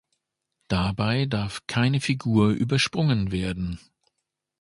Dabei darf keine Figur übersprungen werden.